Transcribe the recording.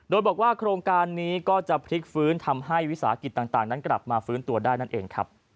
โดยบอกว่าโครงการนี้ก็จะพลิกฟื้นทำให้วิสาหกิจต่างนั้นกลับมาฟื้นตัวได้นั่นเองครับ